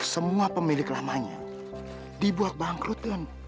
semua pemilik lamanya dibuat bangkrut